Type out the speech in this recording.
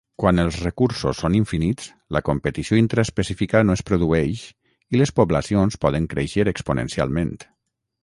Quan els recursos són infinits, la competició intraespecífica no es produeix i les poblacions poden créixer exponencialment.